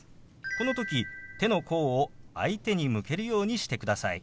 この時手の甲を相手に向けるようにしてください。